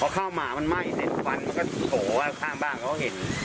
พอข้าวหมามันไหม้เห็นฝันก็โหข้างบ้างเขาก็เห็น